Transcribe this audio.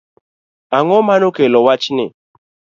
Ang'o mane okelo wachni?